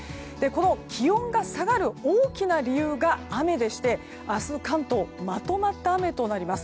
気温が下がる大きな理由が雨でして明日、関東まとまった雨となります。